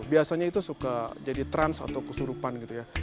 biasanya itu suka jadi trans atau kesurupan gitu ya